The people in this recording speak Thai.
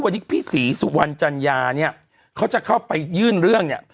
วันนี้พี่ศรีสุวรรณจัญญาเนี่ยเขาจะเข้าไปยื่นเรื่องเนี่ย